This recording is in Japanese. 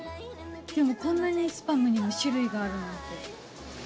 でもこんなにスパムにも種類があるなんて。